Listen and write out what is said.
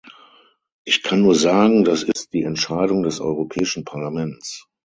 Ich kann nur sagen, das ist die Entscheidung des Europäischen Parlaments.